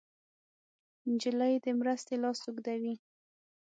نجلۍ د مرستې لاس اوږدوي.